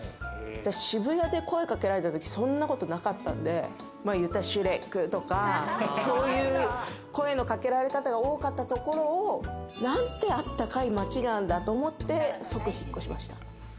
渋谷で声かけられたとき、そんなことはなかったんで、言ったらシュレックとか、そういう声のかけられ方が多かったところをなんて温かい街なんだと思って、即引っ越しました。